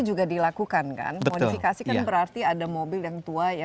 jadi kombi seperti ini sebenarnya